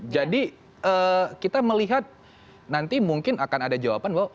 jadi kita melihat nanti mungkin akan ada jawaban bahwa